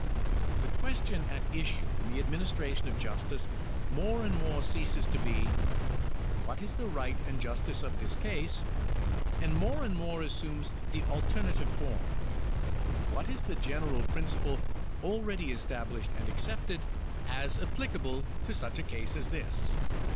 The question at issue in the administration of justice more and more ceases to be, " What is the right and justice of this case ?" and more and more assumes the alternative form, " What is the general principle already established and accepted, as applicable to such a case as this